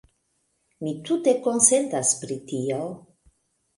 Mi tute konsentas pri tio.